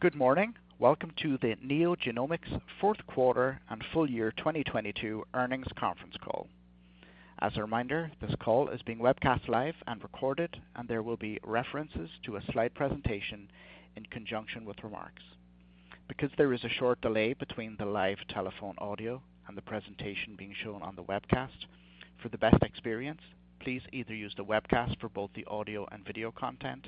Good morning. Welcome to the NeoGenomics Fourth Quarter and Full Year 2022 Earnings Conference Call. As a reminder, this call is being webcast live and recorded, and there will be references to a slide presentation in conjunction with remarks. Because there is a short delay between the live telephone audio and the presentation being shown on the webcast, for the best experience, please either use the webcast for both the audio and video content,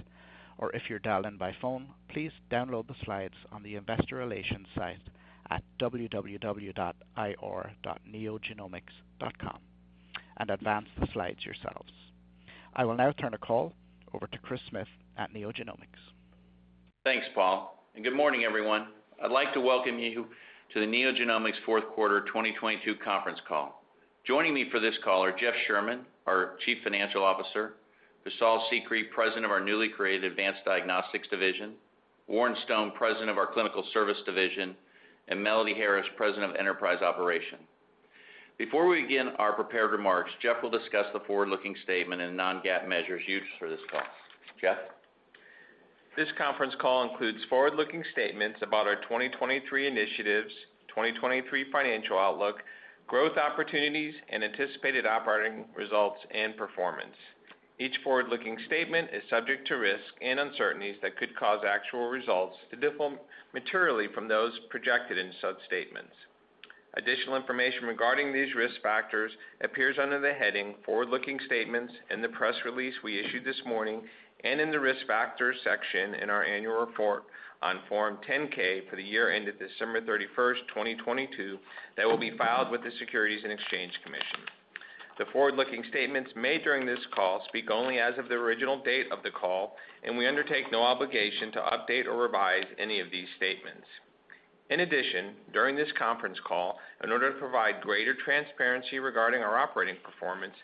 or if you're dialing by phone, please download the slides on the investor relations site at www.ir.neogenomics.com and advance the slides yourselves. I will now turn the call over to Chris Smith at NeoGenomics. Thanks, Paul. Good morning, everyone. I'd like to welcome you to the NeoGenomics fourth quarter 2022 conference call. Joining me for this call are Jeff Sherman, our Chief Financial Officer, Vishal Sikri, President of our newly created Advanced Diagnostics Division, Warren Stone, President of our Clinical Service Division, and Melody Harris, President of Enterprise Operations. Before we begin our prepared remarks, Jeff will discuss the forward-looking statement and non-GAAP measures used for this call. Jeff? This conference call includes forward-looking statements about our 2023 initiatives, 2023 financial outlook, growth opportunities, and anticipated operating results and performance. Each forward-looking statement is subject to risk and uncertainties that could cause actual results to differ materially from those projected in such statements. Additional information regarding these risk factors appears under the heading Forward-Looking Statements in the press release we issued this morning and in the Risk Factors section in our annual report on Form 10-K for the year ended December 31st, 2022, that will be filed with the Securities and Exchange Commission. The forward-looking statements made during this call speak only as of the original date of the call, and we undertake no obligation to update or revise any of these statements. In addition, during this conference call, in order to provide greater transparency regarding our operating performance,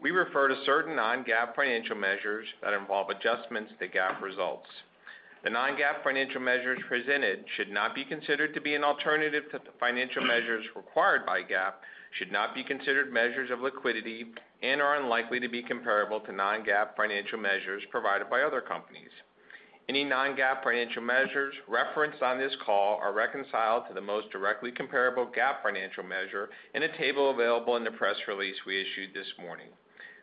we refer to certain non-GAAP financial measures that involve adjustments to GAAP results. The non-GAAP financial measures presented should not be considered to be an alternative to the financial measures required by GAAP, should not be considered measures of liquidity, and are unlikely to be comparable to non-GAAP financial measures provided by other companies. Any non-GAAP financial measures referenced on this call are reconciled to the most directly comparable GAAP financial measure in a table available in the press release we issued this morning.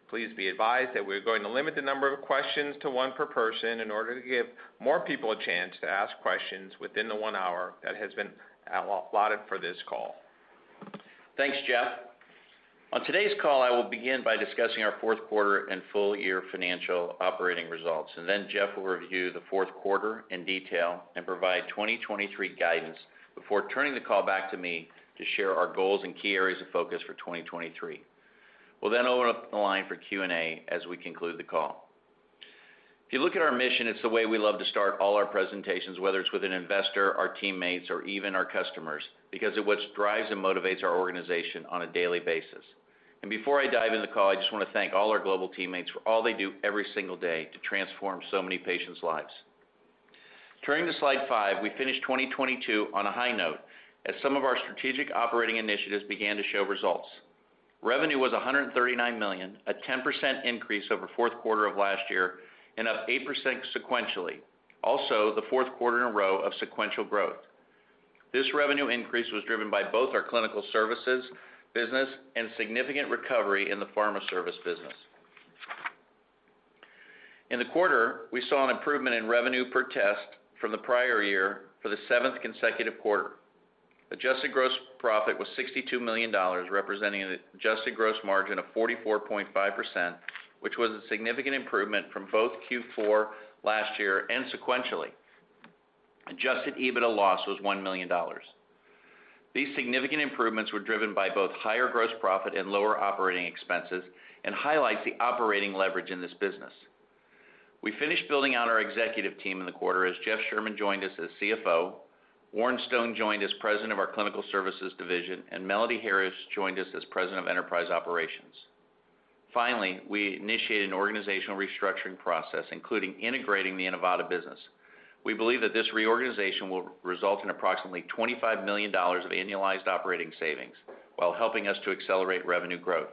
Please be advised that we're going to limit the number of questions to one per person in order to give more people a chance to ask questions within the one hour that has been allotted for this call. Thanks, Jeff. On today's call, I will begin by discussing our fourth quarter and full year financial operating results, and then Jeff will review the fourth quarter in detail and provide 2023 guidance before turning the call back to me to share our goals and key areas of focus for 2023. We'll open up the line for Q&A as we conclude the call. If you look at our mission, it's the way we love to start all our presentations, whether it's with an investor, our teammates, or even our customers, because it's what drives and motivates our organization on a daily basis. Before I dive into the call, I just want to thank all our global teammates for all they do every single day to transform so many patients' lives. Turning to slide five, we finished 2022 on a high note as some of our strategic operating initiatives began to show results. Revenue was $139 million, a 10% increase over fourth quarter of last year and up 8% sequentially. The fourth quarter in a row of sequential growth. This revenue increase was driven by both our Clinical Services business and significant recovery in the Pharma Service business. In the quarter, we saw an improvement in revenue per test from the prior year for the seventh consecutive quarter. Adjusted gross profit was $62 million, representing an adjusted gross margin of 44.5%, which was a significant improvement from both Q4 last year and sequentially. Adjusted EBITDA loss was $1 million. These significant improvements were driven by both higher gross profit and lower operating expenses and highlights the operating leverage in this business. We finished building out our executive team in the quarter as Jeff Sherman joined us as CFO, Warren Stone joined as President of our Clinical Services Division, and Melody Harris joined us as President of Enterprise Operations. Finally, we initiated an organizational restructuring process, including integrating the Inivata business. We believe that this reorganization will result in approximately $25 million of annualized operating savings while helping us to accelerate revenue growth.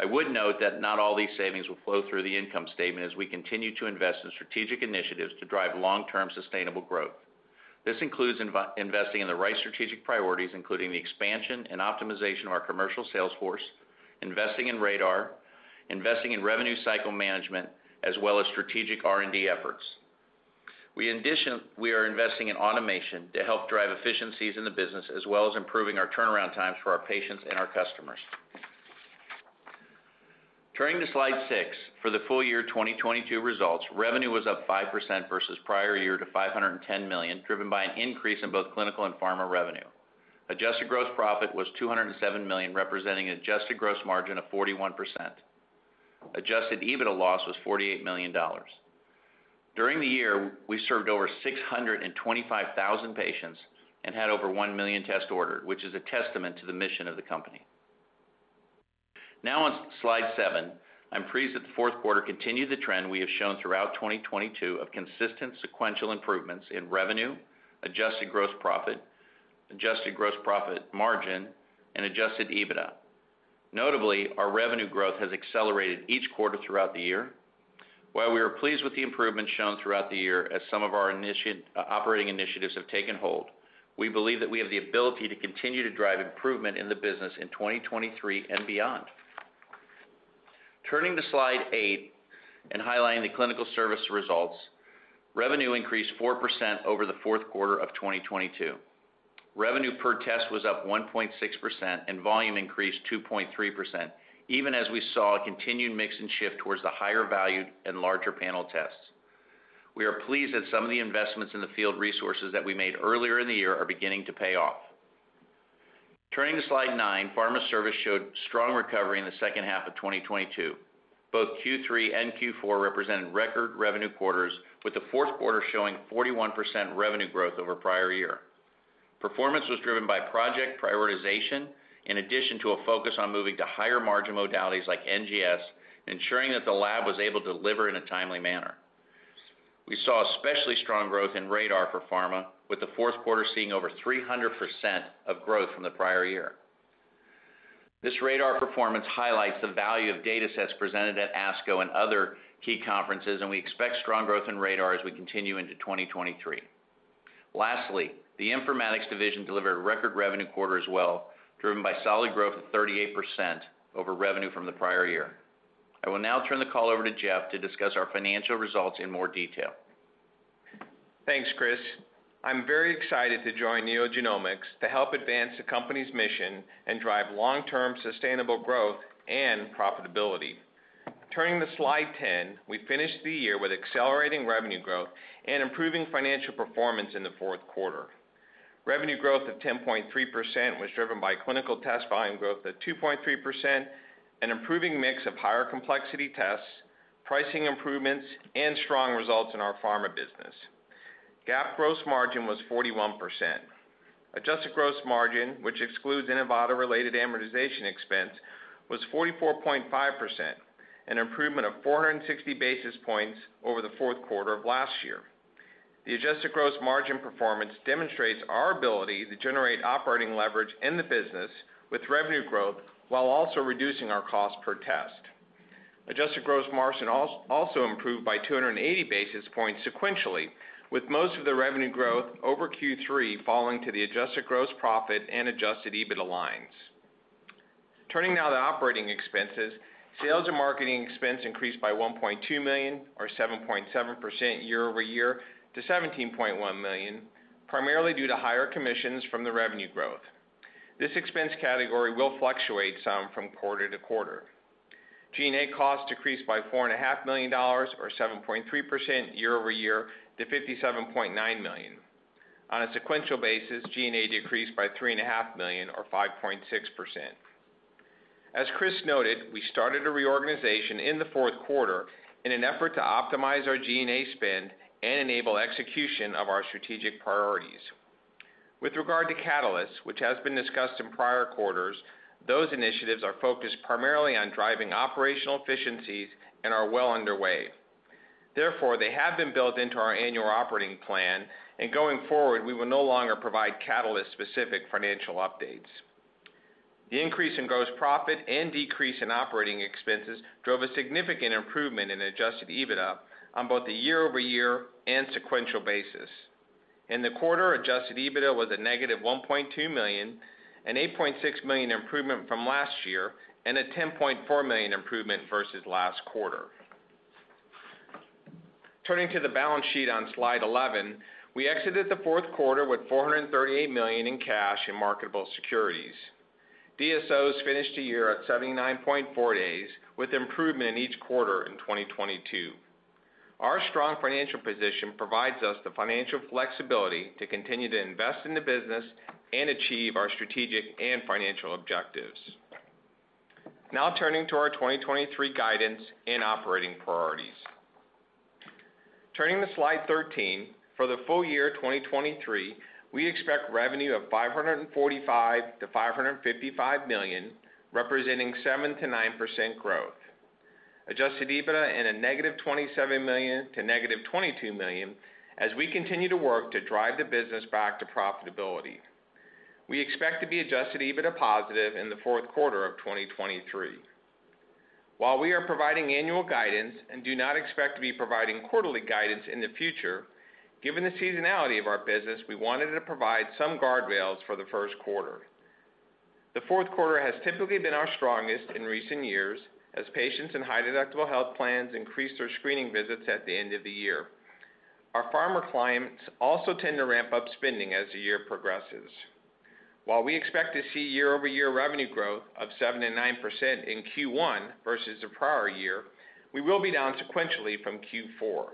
I would note that not all these savings will flow through the income statement as we continue to invest in strategic initiatives to drive long-term sustainable growth. This includes investing in the right strategic priorities, including the expansion and optimization of our commercial sales force, investing in RaDaR, investing in revenue cycle management, as well as strategic R&D efforts. We are investing in automation to help drive efficiencies in the business, as well as improving our turnaround times for our patients and our customers. Turning to slide six, for the full year 2022 results, revenue was up 5% versus prior year to $510 million, driven by an increase in both Clinical and Pharma revenue. Adjusted gross profit was $207 million, representing an adjusted gross margin of 41%. Adjusted EBITDA loss was $48 million. During the year, we served over 625,000 patients and had over one million tests ordered, which is a testament to the mission of the company. Now on slide seven, I'm pleased that the fourth quarter continued the trend we have shown throughout 2022 of consistent sequential improvements in revenue, adjusted gross profit, adjusted gross profit margin, and adjusted EBITDA. Notably, our revenue growth has accelerated each quarter throughout the year. While we are pleased with the improvement shown throughout the year as some of our operating initiatives have taken hold, we believe that we have the ability to continue to drive improvement in the business in 2023 and beyond. Turning to slide eight and highlighting the Clinical Service results, revenue increased 4% over the fourth quarter of 2022. Revenue per test was up 1.6%, and volume increased 2.3%, even as we saw a continued mix and shift towards the higher valued and larger panel tests. We are pleased that some of the investments in the field resources that we made earlier in the year are beginning to pay off. Turning to Slide nine, Pharma Service showed strong recovery in the second half of 2022. Both Q3 and Q4 represented record revenue quarters, with the fourth quarter showing 41% revenue growth over prior year. Performance was driven by project prioritization in addition to a focus on moving to higher margin modalities like NGS, ensuring that the lab was able to deliver in a timely manner. We saw especially strong growth in RaDaR for Pharma, with the fourth quarter seeing over 300% of growth from the prior year. This RaDaR performance highlights the value of datasets presented at ASCO and other key conferences. We expect strong growth in RaDaR as we continue into 2023. The Informatics division delivered a record revenue quarter as well, driven by solid growth of 38% over revenue from the prior year. I will now turn the call over to Jeff to discuss our financial results in more detail. Thanks, Chris. I'm very excited to join NeoGenomics to help advance the company's mission and drive long-term sustainable growth and profitability. Turning to slide 10, we finished the year with accelerating revenue growth and improving financial performance in the fourth quarter. Revenue growth of 10.3% was driven by clinical test volume growth of 2.3%, an improving mix of higher complexity tests, pricing improvements, and strong results in our pharma business. GAAP gross margin was 41%. Adjusted gross margin, which excludes Inivata-related amortization expense, was 44.5%, an improvement of 460 basis points over the fourth quarter of last year. The adjusted gross margin performance demonstrates our ability to generate operating leverage in the business with revenue growth while also reducing our cost per test. Adjusted gross margin also improved by 280 basis points sequentially, with most of the revenue growth over Q3 falling to the adjusted gross profit and adjusted EBITDA lines. Turning now to operating expenses, sales and marketing expense increased by $1.2 million or 7.7% year-over-year to $17.1 million, primarily due to higher commissions from the revenue growth. This expense category will fluctuate some from quarter to quarter. G&A costs decreased by $4.5 million or 7.3% year-over-year to $57.9 million. On a sequential basis, G&A decreased by $3.5 million or 5.6%. As Chris noted, we started a reorganization in the fourth quarter in an effort to optimize our G&A spend and enable execution of our strategic priorities. With regard to Catalyst, which has been discussed in prior quarters, those initiatives are focused primarily on driving operational efficiencies and are well underway. They have been built into our annual operating plan, and going forward, we will no longer provide Catalyst-specific financial updates. The increase in gross profit and decrease in operating expenses drove a significant improvement in adjusted EBITDA on both a year-over-year and sequential basis. In the quarter, adjusted EBITDA was a -$1.2 million, an $8.6 million improvement from last year, and a $10.4 million improvement versus last quarter. Turning to the balance sheet on slide 11, we exited the fourth quarter with $438 million in cash and marketable securities. DSOs finished the year at 79.4 days, with improvement in each quarter in 2022. Our strong financial position provides us the financial flexibility to continue to invest in the business and achieve our strategic and financial objectives. Turning to our 2023 guidance and operating priorities. Turning to slide 13, for the full year 2023, we expect revenue of $545 million-$555 million, representing 7%-9% growth. Adjusted EBITDA in -$27 million to -$22 million as we continue to work to drive the business back to profitability. We expect to be Adjusted EBITDA positive in the fourth quarter of 2023. While we are providing annual guidance and do not expect to be providing quarterly guidance in the future, given the seasonality of our business, we wanted to provide some guardrails for the first quarter. The fourth quarter has typically been our strongest in recent years as patients in high-deductible health plans increase their screening visits at the end of the year. Our pharma clients also tend to ramp up spending as the year progresses. While we expect to see year-over-year revenue growth of 7%-9% in Q1 versus the prior year, we will be down sequentially from Q4.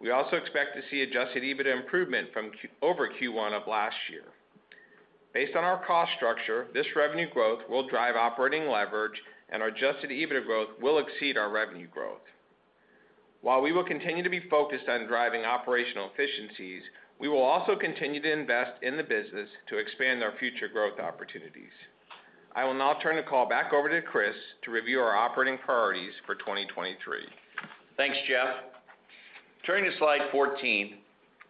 We also expect to see adjusted EBITDA improvement over Q1 of last year. Based on our cost structure, this revenue growth will drive operating leverage, and our adjusted EBITDA growth will exceed our revenue growth. While we will continue to be focused on driving operational efficiencies, we will also continue to invest in the business to expand our future growth opportunities. I will now turn the call back over to Chris to review our operating priorities for 2023. Thanks, Jeff. Turning to slide 14.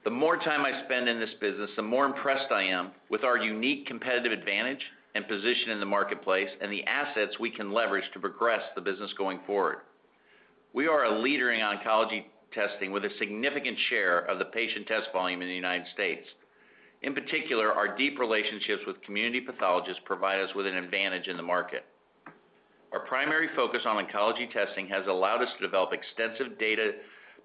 The more time I spend in this business, the more impressed I am with our unique competitive advantage and position in the marketplace and the assets we can leverage to progress the business going forward. We are a leader in oncology testing with a significant share of the patient test volume in the United States. In particular, our deep relationships with community pathologists provide us with an advantage in the market. Our primary focus on oncology testing has allowed us to develop extensive data,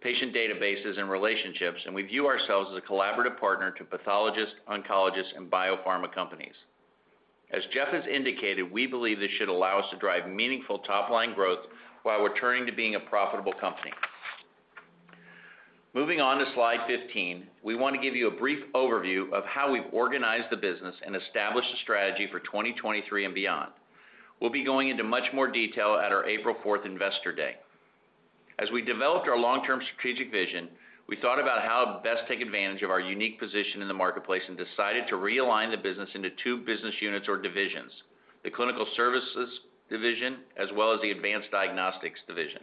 patient databases and relationships, and we view ourselves as a collaborative partner to pathologists, oncologists, and biopharma companies. As Jeff has indicated, we believe this should allow us to drive meaningful top-line growth while returning to being a profitable company. Moving on to slide 15, we want to give you a brief overview of how we've organized the business and established a strategy for 2023 and beyond. We'll be going into much more detail at our April 4th Investor Day. As we developed our long-term strategic vision, we thought about how to best take advantage of our unique position in the marketplace and decided to realign the business into two business units or divisions, the Clinical Services Division as well as the Advanced Diagnostics Division.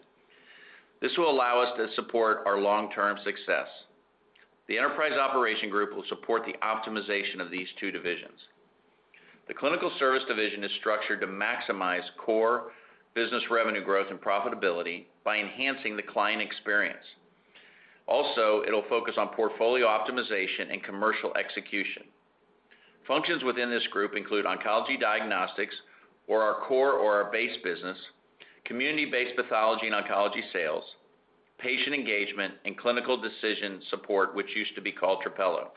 This will allow us to support our long-term success. The Enterprise Operations group will support the optimization of these two divisions. The Clinical Service Division is structured to maximize core business revenue growth and profitability by enhancing the client experience. Also, it'll focus on portfolio optimization and commercial execution. Functions within this group include oncology diagnostics or our base business, community-based pathology and oncology sales, patient engagement, and clinical decision support, which used to be called Trapelo Health.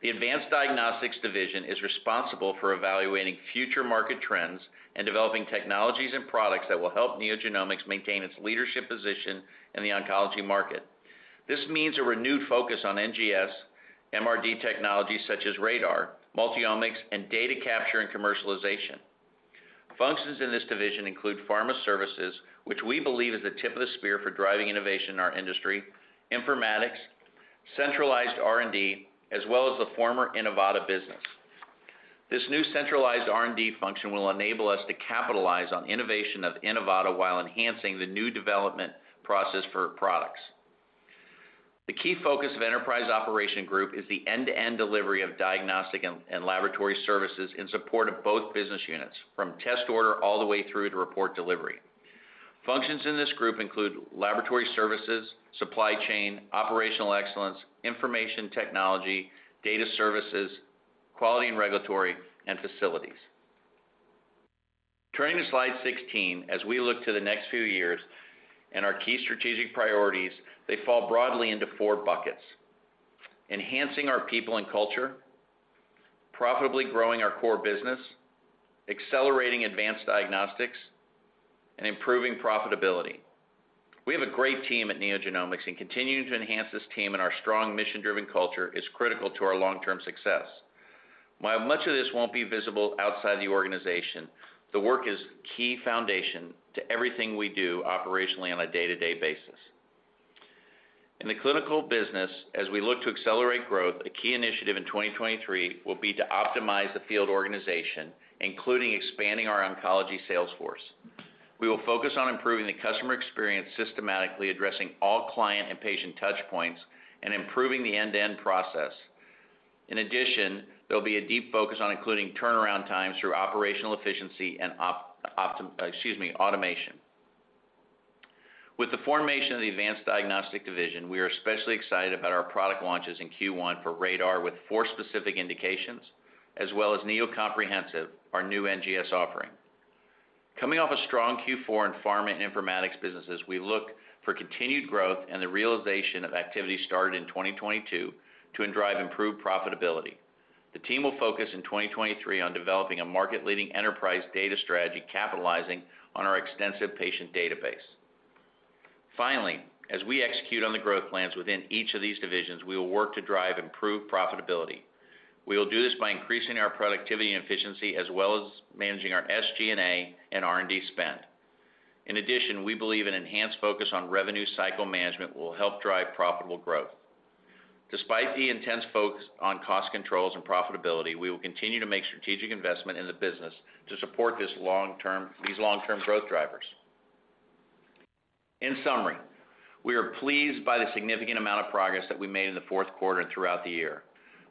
The Advanced Diagnostics Division is responsible for evaluating future market trends and developing technologies and products that will help NeoGenomics maintain its leadership position in the oncology market. This means a renewed focus on NGS, MRD technologies such as RaDaR, MultiOmyx, and data capture and commercialization. Functions in this division include pharma services, which we believe is the tip of the spear for driving innovation in our industry, informatics, centralized R&D, as well as the former Inivata business. This new centralized R&D function will enable us to capitalize on innovation of Inivata while enhancing the new development process for products. The key focus of Enterprise Operations group is the end-to-end delivery of diagnostic and laboratory services in support of both business units, from test order all the way through to report delivery. Functions in this group include laboratory services, supply chain, operational excellence, information technology, data services, quality and regulatory, and facilities. Turning to slide 16, as we look to the next few years and our key strategic priorities, they fall broadly into four buckets: enhancing our people and culture, profitably growing our core business, accelerating Advanced Diagnostics, and improving profitability. We have a great team at NeoGenomics, and continuing to enhance this team and our strong mission-driven culture is critical to our long-term success. While much of this won't be visible outside the organization, the work is key foundation to everything we do operationally on a day-to-day basis. In the clinical business, as we look to accelerate growth, a key initiative in 2023 will be to optimize the field organization, including expanding our oncology sales force. We will focus on improving the customer experience, systematically addressing all client and patient touch points and improving the end-to-end process. There'll be a deep focus on including turnaround times through operational efficiency and automation. With the formation of the Advanced Diagnostics Division, we are especially excited about our product launches in Q1 for RaDaR with four specific indications as well as NeoComprehensive, our new NGS offering. Coming off a strong Q4 in Pharma and Informatics businesses, we look for continued growth and the realization of activities started in 2022 to then drive improved profitability. The team will focus in 2023 on developing a market-leading enterprise data strategy, capitalizing on our extensive patient database. As we execute on the growth plans within each of these divisions, we will work to drive improved profitability. We will do this by increasing our productivity and efficiency as well as managing our SG&A and R&D spend. We believe an enhanced focus on revenue cycle management will help drive profitable growth. Despite the intense focus on cost controls and profitability, we will continue to make strategic investment in the business to support these long-term growth drivers. We are pleased by the significant amount of progress that we made in the fourth quarter and throughout the year.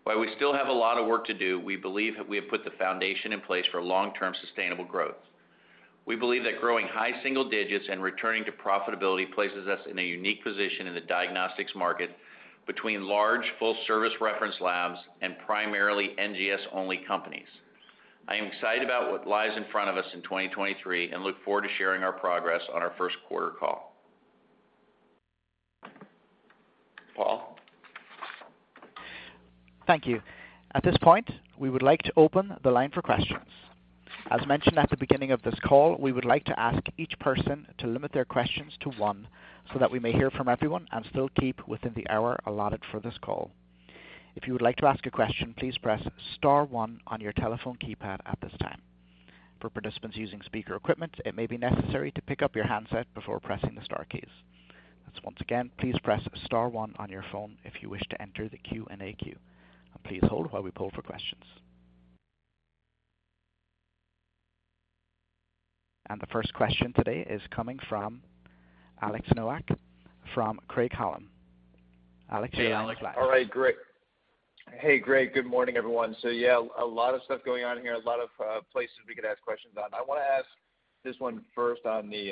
We still have a lot of work to do, we believe that we have put the foundation in place for long-term sustainable growth. We believe that growing high single digits and returning to profitability places us in a unique position in the diagnostics market between large full-service reference labs and primarily NGS-only companies. I am excited about what lies in front of us in 2023 and look forward to sharing our progress on our first quarter call. Paul? Thank you. At this point, we would like to open the line for questions. As mentioned at the beginning of this call, we would like to ask each person to limit their questions to one so that we may hear from everyone and still keep within the hour allotted for this call. If you would like to ask a question, please press star one on your telephone keypad at this time. For participants using speaker equipment, it may be necessary to pick up your handset before pressing the star keys. Once again, please press star one on your phone if you wish to enter the Q&A queue. Please hold while we pull for questions. The first question today is coming from Alex Nowak from Craig-Hallum. Alex, your line is live. All right, great. Hey, great. Good morning, everyone. Yeah, a lot of stuff going on here, a lot of places we could ask questions on. I want to ask this one first on the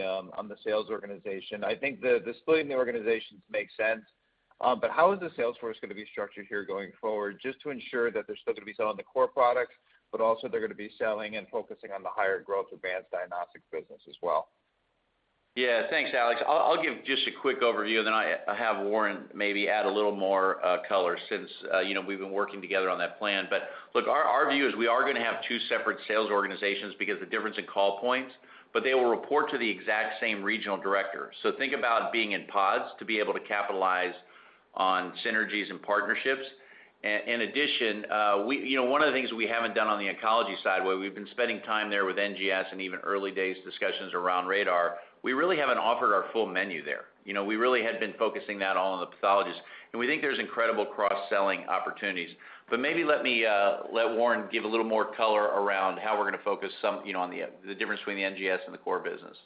sales organization. I think the split in the organizations make sense, but how is the sales force gonna be structured here going forward, just to ensure that they're still gonna be selling the core products, but also they're gonna be selling and focusing on the higher growth Advanced Diagnostics business as well? Yeah. Thanks, Alex. I'll give just a quick overview, and then I have Warren maybe add a little more color since, you know, we've been working together on that plan. Look, our view is we are gonna have two separate sales organizations because the difference in call points, but they will report to the exact same regional director. Think about being in pods to be able to capitalize on synergies and partnerships. In addition, you know, one of the things we haven't done on the oncology side, where we've been spending time there with NGS and even early days discussions around RaDaR, we really haven't offered our full menu there. You know, we really had been focusing that all on the pathologists, and we think there's incredible cross-selling opportunities. Maybe let me let Warren give a little more color around how we're gonna focus some, you know, on the difference between the NGS and the core business.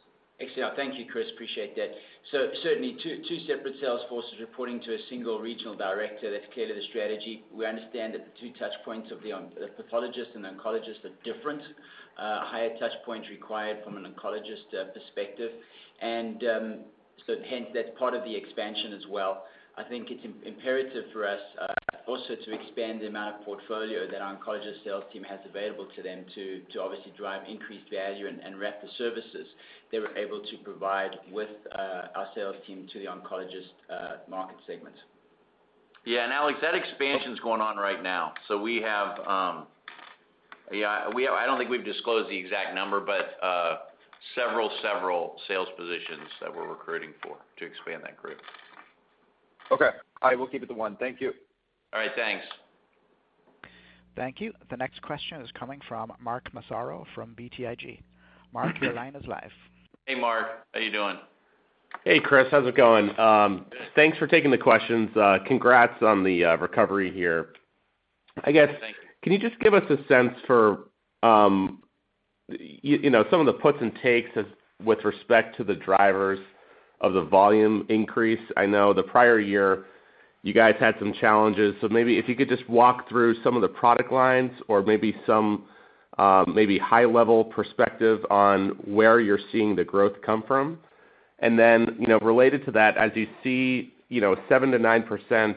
Excellent. Thank you, Chris, appreciate that. Certainly two separate sales forces reporting to a single regional director. That's clearly the strategy. We understand that the 2 touch points of the pathologist and oncologist are different, higher touch points required from an oncologist perspective and hence that's part of the expansion as well. I think it's imperative for us also to expand the amount of portfolio that our oncologist sales team has available to them to obviously drive increased value and wrap the services they were able to provide with our sales team to the oncologist market segment. Yeah. Alex, that expansion's going on right now. We have, I don't think we've disclosed the exact number, but several sales positions that we're recruiting for to expand that group. Okay. I will keep it to one. Thank you. All right. Thanks. Thank you. The next question is coming from Mark Massaro from BTIG. Mark, your line is live. Hey, Mark. How you doing? Hey, Chris. How's it going? Good. Thanks for taking the questions. Congrats on the recovery here. Thank you. Can you just give us a sense for, you know, some of the puts and takes with respect to the drivers of the volume increase? I know the prior year you guys had some challenges, so maybe if you could just walk through some of the product lines or maybe some, maybe high level perspective on where you're seeing the growth come from. You know, related to that, as you see, you know, 7%-9%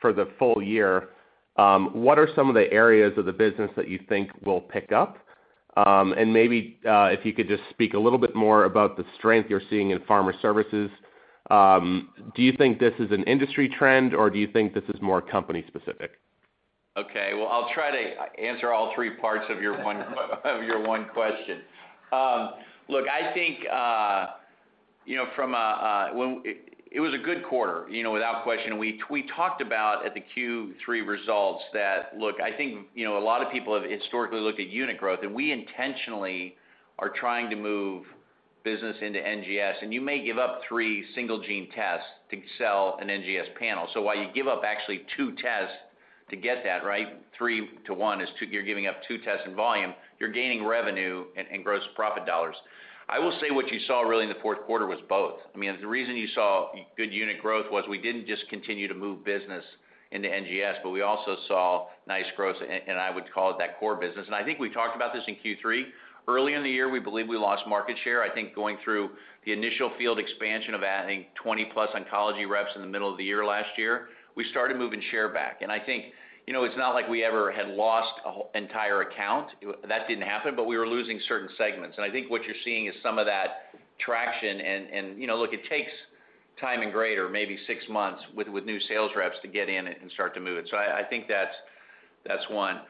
for the full year, what are some of the areas of the business that you think will pick up? Maybe if you could just speak a little bit more about the strength you're seeing in pharma services. Do you think this is an industry trend or do you think this is more company specific? Okay. Well, I'll try to answer all three parts of your one question. Look, I think, you know, it was a good quarter, you know, without question. We talked about at the Q3 results that. Look, I think, you know, a lot of people have historically looked at unit growth, we intentionally are trying to move business into NGS. You may give up three single gene tests to sell an NGS panel. While you give up actually two tests to get that, right, three to one, you're giving up two tests in volume, you're gaining revenue and gross profit dollars. I will say what you saw really in the fourth quarter was both. I mean, the reason you saw good unit growth was we didn't just continue to move business into NGS, but we also saw nice growth in, I would call it that core business. I think we talked about this in Q3. Early in the year, we believe we lost market share. I think going through the initial field expansion of adding 20+ oncology reps in the middle of the year last year, we started moving share back. I think, you know, it's not like we ever had lost a entire account. That didn't happen, but we were losing certain segments. I think what you're seeing is some of that traction and, you know, look, it takes time in greater, maybe six months with new sales reps to get in it and start to move it. I think that's one.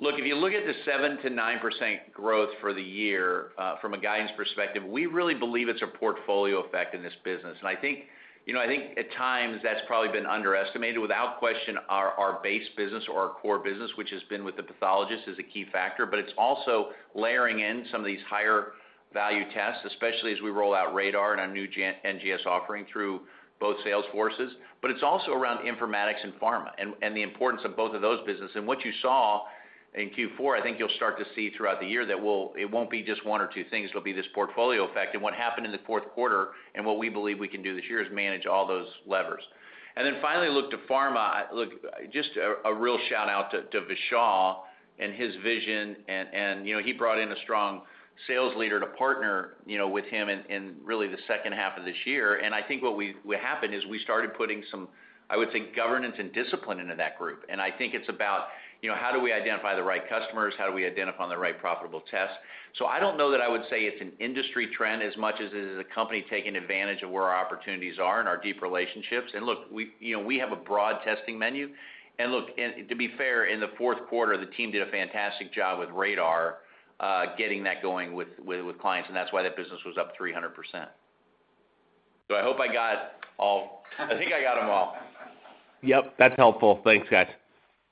Look, if you look at the 7%-9% growth for the year, from a guidance perspective, we really believe it's a portfolio effect in this business. I think, you know, I think at times that's probably been underestimated. Without question, our base business or our core business, which has been with the pathologist, is a key factor, but it's also layering in some of these higher value tests, especially as we roll out RaDaR and our new-gen NGS offering through both sales forces. It's also around informatics and pharma and the importance of both of those business. What you saw in Q4, I think you'll start to see throughout the year that it won't be just one or two things, it'll be this portfolio effect. What happened in the fourth quarter and what we believe we can do this year is manage all those levers. Then finally, look, to pharma, look, just a real shout-out to Vishal and his vision and, you know, he brought in a strong sales leader to partner, you know, with him in really the second half of this year. I think what happened is we started putting some, I would say, governance and discipline into that group. I think it's about, you know, how do we identify the right customers? How do we identify the right profitable tests? I don't know that I would say it's an industry trend as much as it is a company taking advantage of where our opportunities are and our deep relationships. Look, we, you know, we have a broad testing menu. Look, and to be fair, in the fourth quarter, the team did a fantastic job with RaDaR, getting that going with clients, and that's why that business was up 300%. I hope I got all... I think I got them all. Yep, that's helpful. Thanks, guys.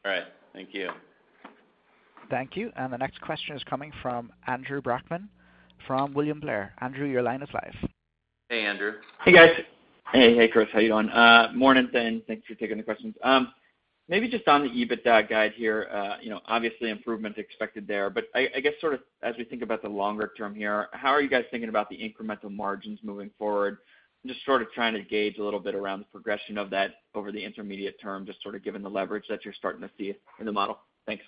All right. Thank you. Thank you. The next question is coming from Andrew Brackmann from William Blair. Andrew, your line is live. Hey, Andrew. Hey, guys. Hey, hey, Chris, how you doing? Morning and thanks for taking the questions. Maybe just on the EBITDA guide here, you know, obviously improvement expected there, but I guess sort of as we think about the longer term here, how are you guys thinking about the incremental margins moving forward? Just sort of trying to gauge a little bit around the progression of that over the intermediate term, just sort of given the leverage that you're starting to see in the model. Thanks.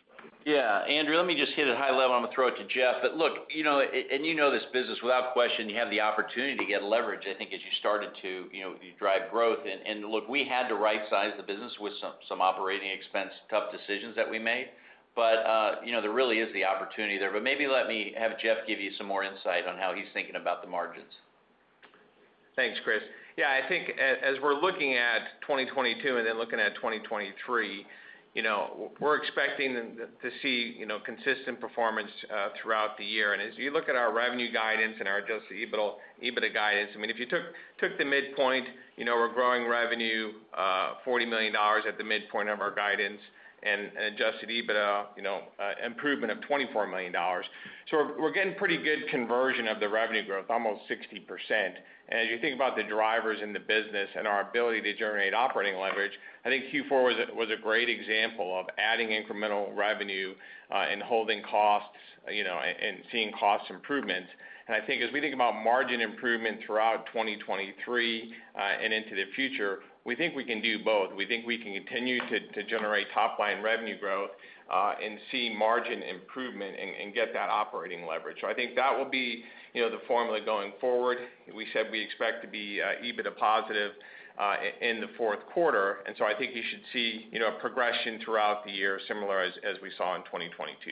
Yeah. Andrew, let me just hit it high level. I'm gonna throw it to Jeff. Look, you know, and you know this business, without question, you have the opportunity to get leverage, I think, as you started to, you know, drive growth. Look, we had to right size the business with some operating expense, tough decisions that we made. You know, there really is the opportunity there. Maybe let me have Jeff give you some more insight on how he's thinking about the margins. Thanks, Chris. Yeah. I think as we're looking at 2022 and looking at 2023, you know, we're expecting them to see, you know, consistent performance throughout the year. As you look at our revenue guidance and our adjusted EBITDA guidance, I mean, if you took the midpoint, you know, we're growing revenue $40 million at the midpoint of our guidance and adjusted EBITDA, you know, improvement of $24 million. We're getting pretty good conversion of the revenue growth, almost 60%. As you think about the drivers in the business and our ability to generate operating leverage, I think Q4 was a great example of adding incremental revenue and holding costs, you know, and seeing cost improvements. I think as we think about margin improvement throughout 2023, and into the future, we think we can do both. We think we can continue to generate top line revenue growth, and see margin improvement and get that operating leverage. I think that will be, you know, the formula going forward. We said we expect to be, EBITDA positive, in the fourth quarter. I think you should see, you know, progression throughout the year similar as we saw in 2022.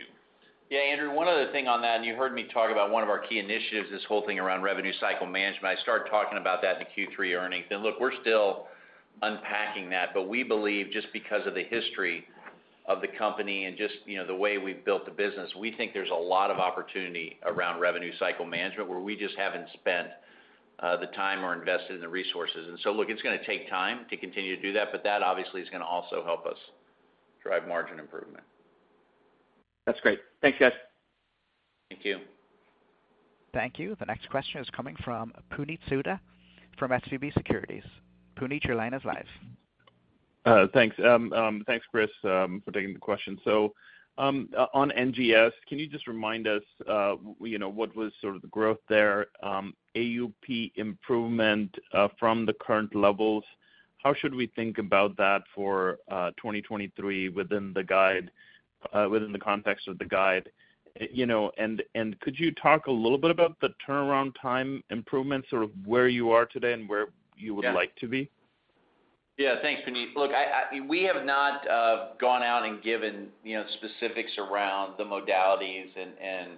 Yeah, Andrew, one other thing on that. You heard me talk about one of our key initiatives, this whole thing around revenue cycle management. I started talking about that in the Q3 earnings. Look, we're still unpacking that. We believe just because of the history of the company and just, you know, the way we've built the business, we think there's a lot of opportunity around revenue cycle management where we just haven't spent, the time or invested in the resources. Look, it's gonna take time to continue to do that, but that obviously is gonna also help us drive margin improvement. That's great. Thanks, guys. Thank you. Thank you. The next question is coming from Puneet Souda from SVB Securities. Puneet, your line is live. Thanks, Chris, for taking the question. On NGS, can you just remind us, you know, what was sort of the growth there, AUP improvement, from the current levels? How should we think about that for 2023 within the context of the guide? You know, could you talk a little bit about the turnaround time improvements or where you are today and where you would like to be? Yeah. Thanks, Puneet. Look, we have not gone out and given, you know, specifics around the modalities and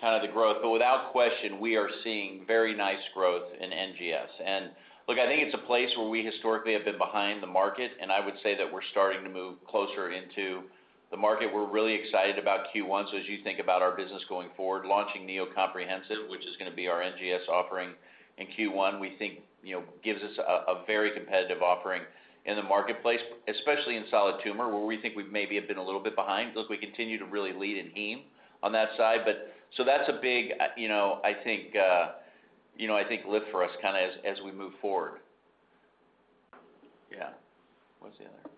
kind of the growth. Without question, we are seeing very nice growth in NGS. Look, I think it's a place where we historically have been behind the market. I would say that we're starting to move closer into the market. We're really excited about Q1. As you think about our business going forward, launching NeoComprehensive, which is gonna be our NGS offering in Q1, we think, you know, gives us a very competitive offering in the marketplace, especially in solid tumor, where we think we've maybe have been a little bit behind. Look, we continue to really lead in Heme on that side. That's a big, you know, I think, you know, I think lift for us kinda as we move forward. Yeah. What's the other?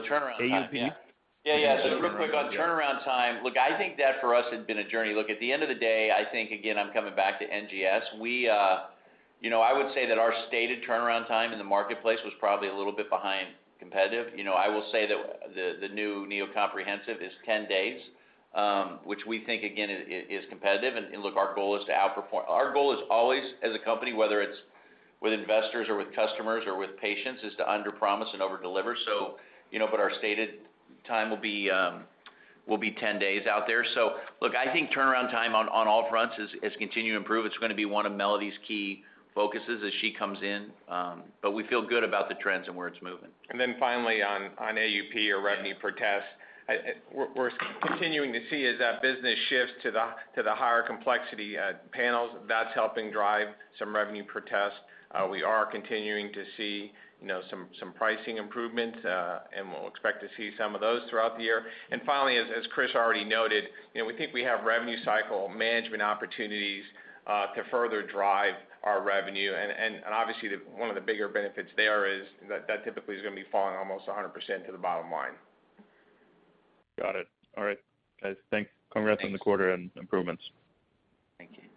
Turnaround. Oh, the turnaround time. AUP. Yeah, yeah. Real quick on turnaround time. Look, I think that for us had been a journey. Look, at the end of the day, I think, again, I'm coming back to NGS. We, you know, I would say that our stated turnaround time in the marketplace was probably a little bit behind competitive. You know, I will say that the new NeoComprehensive is 10 days, which we think again is competitive. Look, our goal is to outperform. Our goal is always as a company, whether it's with investors or with customers or with patients, is to underpromise and overdeliver. You know, but our stated time will be 10 days out there. Look, I think turnaround time on all fronts is continuing to improve. It's gonna be one of Melody's key focuses as she comes in. We feel good about the trends and where it's moving. Finally on AUP or revenue per test, we're continuing to see as that business shifts to the higher complexity panels, that's helping drive some revenue per test. We are continuing to see, you know, some pricing improvements, and we'll expect to see some of those throughout the year. Finally, as Chris already noted, you know, we think we have revenue cycle management opportunities to further drive our revenue. Obviously, one of the bigger benefits there is that typically is gonna be falling almost 100% to the bottom line. Got it. All right. Guys, thanks. Thanks. Congrats on the quarter and improvements. Thank you.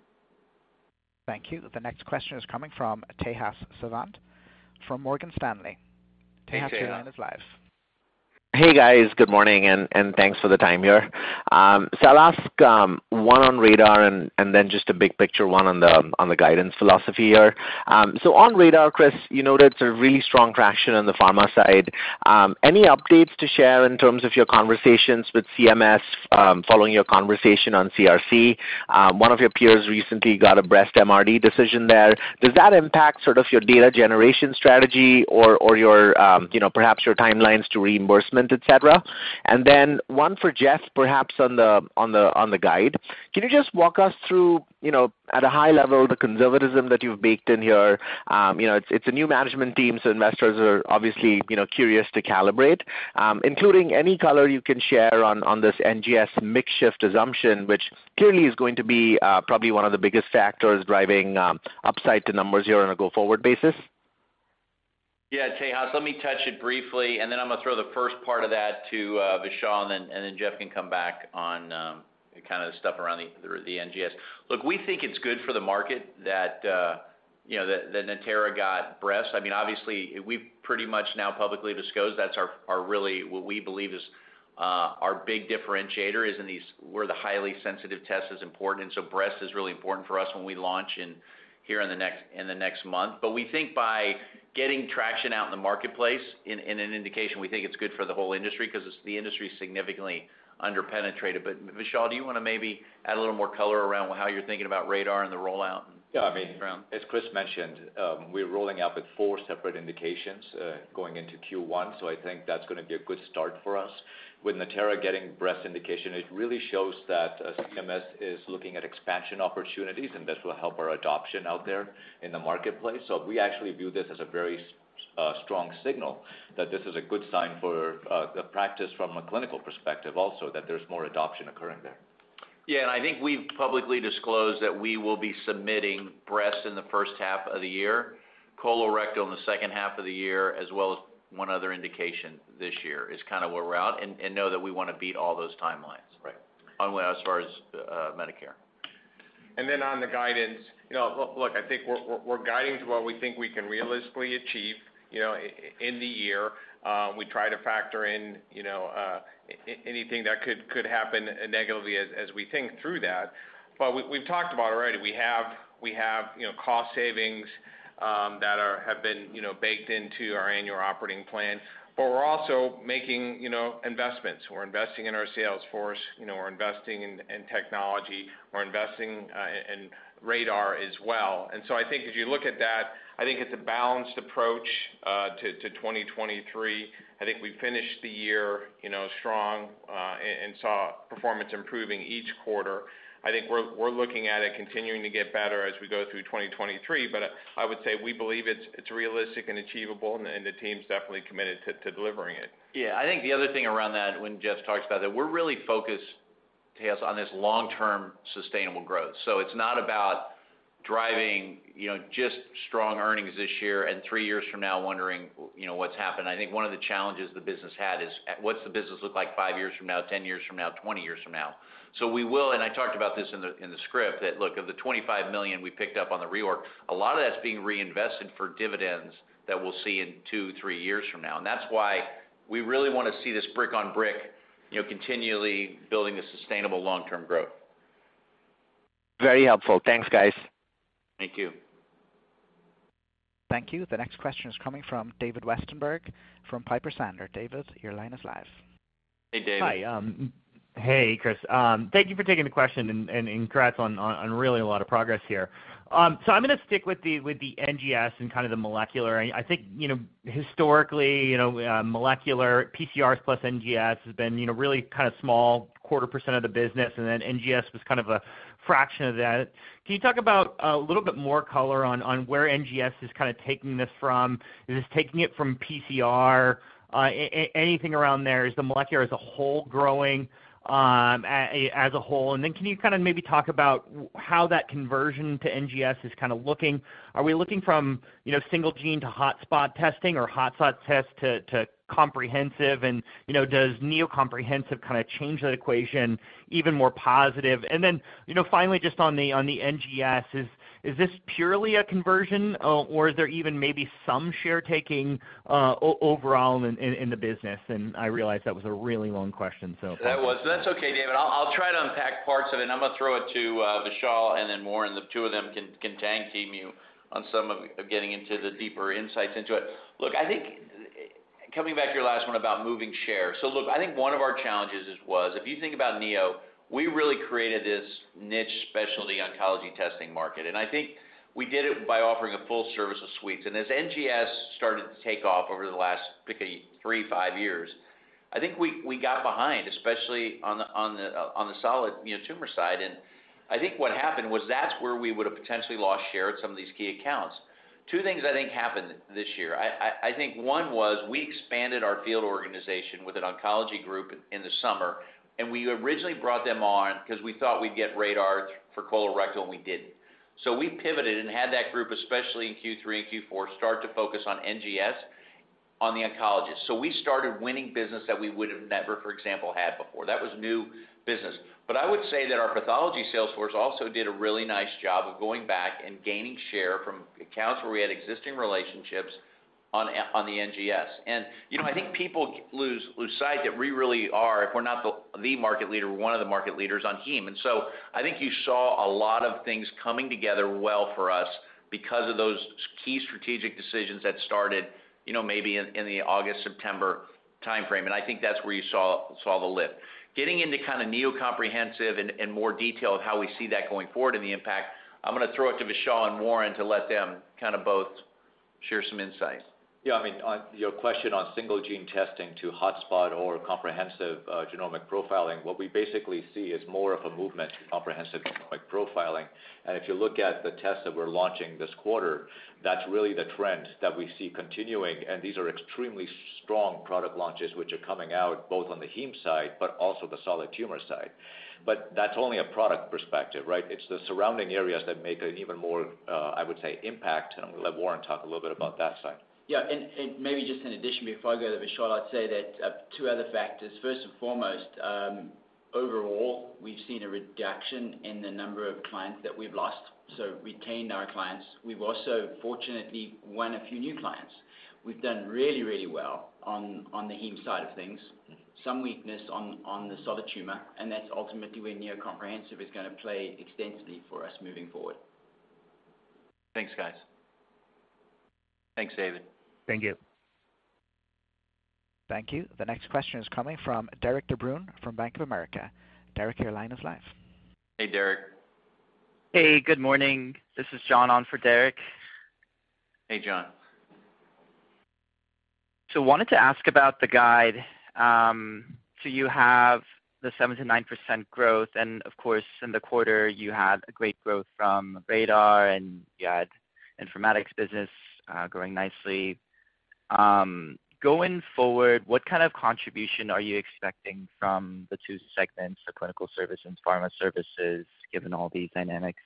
Thank you. The next question is coming from Tejas Savant from Morgan Stanley. Hey, Tejas. Your line is live. Hey, guys. Good morning, and thanks for the time here. I'll ask one on RaDaR and then just a big picture, one on the guidance philosophy here. On RaDaR, Chris, you noted sort of really strong traction on the pharma side. Any updates to share in terms of your conversations with CMS, following your conversation on CRC? One of your peers recently got a breast MRD decision there. Does that impact sort of your data generation strategy or your, you know, perhaps your timelines to reimbursement, etc? One for Jeff, perhaps on the guide. Can you just walk us through, you know, at a high level, the conservatism that you've baked in here? You know, it's a new management team, so investors are obviously, you know, curious to calibrate. Including any color you can share on this NGS mix shift assumption, which clearly is going to be, probably one of the biggest factors driving upside to numbers here on a go-forward basis. Yeah, Tejas, let me touch it briefly, then I'm gonna throw the first part of that to Vishal, then Jeff can come back on the kinda stuff around the NGS. Look, we think it's good for the market that, you know, that Natera got breast. I mean, obviously we've pretty much now publicly disclosed that's our really what we believe is our big differentiator is in these, where the highly sensitive test is important. Breast is really important for us when we launch in, here in the next month. We think by getting traction out in the marketplace in an indication, we think it's good for the whole industry 'cause the industry is significantly under-penetrated. Vishal, do you want to maybe add a little more color around how you're thinking about RaDaR and the rollout. Yeah. As Chris mentioned, we're rolling out with four separate indications going into Q1. I think that's gonna be a good start for us. With Natera getting breast indication, it really shows that CMS is looking at expansion opportunities, and this will help our adoption out there in the marketplace. We actually view this as a very strong signal that this is a good sign for the practice from a clinical perspective also, that there's more adoption occurring there. Yeah, I think we've publicly disclosed that we will be submitting breast in the first half of the year, colorectal in the second half of the year, as well as one other indication this year, is kinda where we're at. Know that we wanna beat all those timelines. Right. And well, as far as Medicare. On the guidance, you know, I think we're guiding to what we think we can realistically achieve, you know, in the year. We try to factor in, you know, anything that could happen negatively as we think through that. We've talked about already, we have, you know, cost savings that have been, you know, baked into our annual operating plan. We're also making, you know, investments. We're investing in our sales force. You know, we're investing in technology. We're investing in RaDaR as well. I think as you look at that, I think it's a balanced approach to 2023. I think we finished the year, you know, strong, and saw performance improving each quarter. I think we're looking at it continuing to get better as we go through 2023, but I would say we believe it's realistic and achievable and the team's definitely committed to delivering it. I think the other thing around that, when Jeff talks about that, we're really focused, Tejas, on this long-term sustainable growth. It's not about driving, you know, just strong earnings this year and three years from now wondering, you know, what's happened. I think one of the challenges the business had is what's the business look like five years from now, 10 years from now, 20 years from now. We will, and I talked about this in the, in the script, that look, of the $25 million we picked up on the rework, a lot of that's being reinvested for dividends that we'll see in two, three years from now. That's why we really wanna see this brick on brick, you know, continually building a sustainable long-term growth. Very helpful. Thanks, guys. Thank you. Thank you. The next question is coming from David Westenberg from Piper Sandler. David, your line is live. Hey, David. Hi. Hey, Chris. Thank you for taking the question and congrats on really a lot of progress here. I'm gonna stick with the, with the NGS and kind of the molecular. I think, historically, molecular PCRs plus NGS has been, you know, really kinda small, 0.25% of the business, and then NGS was kind of a fraction of that. Can you talk about a little bit more color on where NGS is kinda taking this from? Is this taking it from PCR? Anything around there? Is the molecular as a whole growing, as a whole? Can you kinda maybe talk about how that conversion to NGS is kinda looking? Are we looking from, you know, single gene to hotspot testing or hotspot test to comprehensive? You know, does NeoComprehensive kinda change that equation even more positive? Then, you know, finally, just on the, on the NGS, is this purely a conversion, or is there even maybe some share taking overall in the business? I realize that was a really long question, so. That was. That's okay, David Westenberg. I'll try to unpack parts of it, and I'm gonna throw it to Vishal Sikri and then Warren Stone. The two of them can tag-team you on some of getting into the deeper insights into it. Look, I think. Coming back to your last one about moving shares. Look, I think one of our challenges was, if you think about Neo, we really created this niche specialty oncology testing market, and I think we did it by offering a full service of suites. As NGS started to take off over the last, pick a, three to five years, I think we got behind, especially on the solid, you know, tumor side. I think what happened was that's where we would've potentially lost share at some of these key accounts. Two things I think happened this year. I think one was we expanded our field organization with an oncology group in the summer, and we originally brought them on 'cause we thought we'd get RaDaR for colorectal, and we didn't. We pivoted and had that group, especially in Q3 and Q4, start to focus on NGS on the oncologist. We started winning business that we would've never, for example, had before. That was new business. I would say that our pathology sales force also did a really nice job of going back and gaining share from accounts where we had existing relationships on the NGS. You know, I think people lose sight that we really are, if we're not the market leader, we're one of the market leaders on Heme. I think you saw a lot of things coming together well for us because of those key strategic decisions that started, you know, maybe in the August, September timeframe. I think that's where you saw the lift. Getting into kinda NeoComprehensive and more detail of how we see that going forward and the impact, I'm gonna throw it to Vishal and Warren to let them kinda both share some insight. Yeah. I mean, on, you know, question on single gene testing to hotspot or comprehensive genomic profiling What we basically see is more of a movement to comprehensive genomic profiling. If you look at the tests that we're launching this quarter, that's really the trend that we see continuing. These are extremely strong product launches which are coming out both on the Heme side but also the solid tumor side. That's only a product perspective, right? It's the surrounding areas that make an even more, I would say, impact. I'm gonna let Warren talk a little bit about that side. Yeah. Maybe just in addition, before I go to Vishal, I'd say that two other factors. First and foremost, overall, we've seen a reduction in the number of clients that we've lost, so retained our clients. We've also fortunately won a few new clients. We've done really well on the Heme side of things. Some weakness on the solid tumor, and that's ultimately where NeoComprehensive is gonna play extensively for us moving forward. Thanks, guys. Thanks, David. Thank you. Thank you. The next question is coming from Derik de Bruin from Bank of America. Derik, your line is live. Hey, Derik. Hey, good morning. This is John on for Derik. Hey, John. Wanted to ask about the guide. You have the 7%-9% growth. In the quarter you had a great growth from RaDaR, and you had Informatics business, growing nicely. Going forward, what kind of contribution are you expecting from the two segments, the Clinical Services and Pharma Services, given all these dynamics?